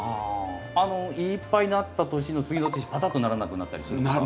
いっぱいなった年の次の年パタッとならなくなったりするんですか？